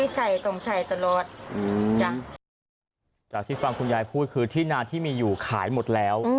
จากที่ฟังคุณยายพูดคือที่นาที่มีอยู่ขายหมดแล้ว